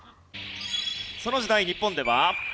その時代日本では。